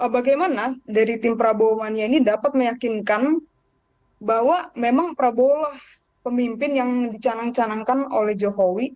bagaimana dari tim prabowo mania ini dapat meyakinkan bahwa memang prabowo lah pemimpin yang dicanang canangkan oleh jokowi